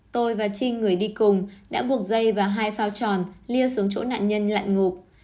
tôi và chi người đi cùng đã buộc dây và hai phao tròn lia xuống chỗ nạn nhân lặn ngụp